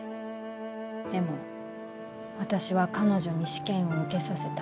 でも私は彼女に試験を受けさせた。